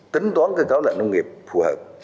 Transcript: tính toán cái đó là nông nghiệp phù hợp